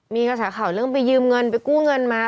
มีกระแสข่าวเรื่องไปยืมเงินไปกู้เงินมา